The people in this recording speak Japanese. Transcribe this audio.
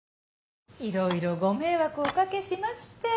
色々ご迷惑をお掛けしまして。